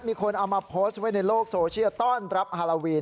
มีคนเอามาโพสต์ไว้ในโลกโซเชียลต้อนรับฮาโลวีน